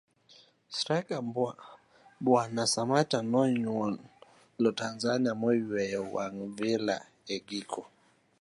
straika Mbwana Samatta monyuol Tanzania noyueyo wang' Villa e giko